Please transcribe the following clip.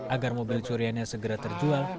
agar mobil curiannya segera terjual